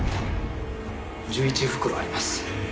１１袋あります。